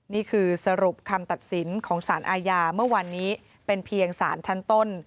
นี่คือสรุปคำตัดสินของสารอาญาเมื่อวานนี้เป็นเพียงสารชั้นต้น